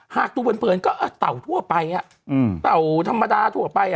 หากดูเผินก็เต่าทั่วไปเต่าธรรมดาทั่วไป